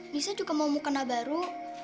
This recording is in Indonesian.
nisa juga mau mukena baru